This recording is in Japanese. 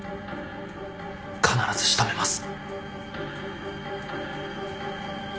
必ず仕留めます。